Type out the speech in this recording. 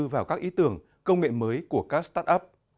vào các ý tưởng công nghệ mới của các start up